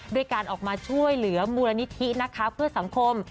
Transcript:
ด้วยการออกมาช่วยเหลือมูลนิธินะคะเพื่อสังคม